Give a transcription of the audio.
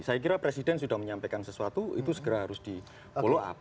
saya kira presiden sudah menyampaikan sesuatu itu segera harus di follow up